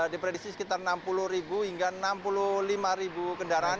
diprediksi sekitar enam puluh hingga enam puluh lima kendaraan